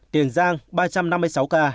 tiền giang ba trăm năm mươi sáu ca